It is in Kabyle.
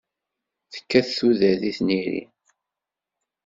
Tettak tudert i tniri.